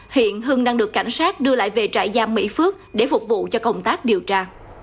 hiện hưng đang được cảnh sát đưa lại về trại giam mỹ phước để phục vụ cho công tác điều tra